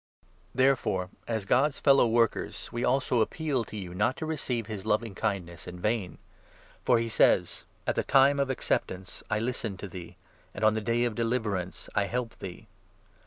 Therefore, as God's fellow i workers, we also appeal to you not to receive his loving kindness in vain. For he says — 2 ' At the time for acceptance I listened to thee, And on the day of deliverance I helped thee.'